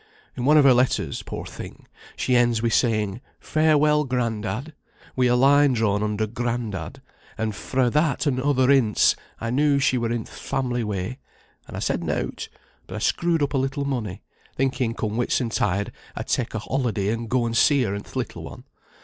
In one o' her letters, poor thing, she ends wi' saying, 'Farewell, Grandad!' wi' a line drawn under grandad, and fra' that an' other hints I knew she were in th' family way; and I said nought, but I screwed up a little money, thinking come Whitsuntide I'd take a holiday and go and see her an' th' little one.